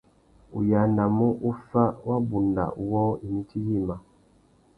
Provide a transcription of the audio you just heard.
U yānamú u fá wabunda wôō imití yïmá.